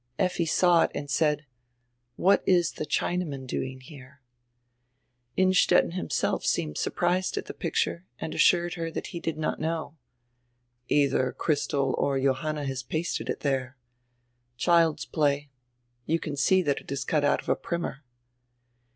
Effi saw it and said: "What is the Chinaman doing here?" Innstetten himself seemed surprised at die picture and assured her diat he did not know. "Eidier Christel or Johanna has pasted it diere. Child's play. You can see it is cut out of a primer."